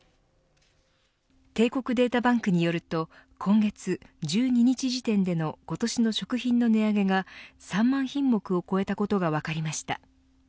帝国データバンクによると今月１２日時点での今年の食品の値上げが３万品目を超えたことが分かりました。